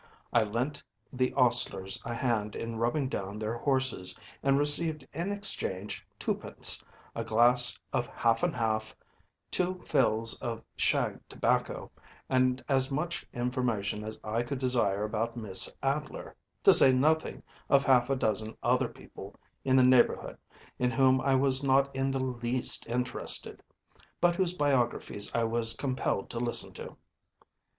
I lent the ostlers a hand in rubbing down their horses, and received in exchange twopence, a glass of half and half, two fills of shag tobacco, and as much information as I could desire about Miss Adler, to say nothing of half a dozen other people in the neighbourhood in whom I was not in the least interested, but whose biographies I was compelled to listen to.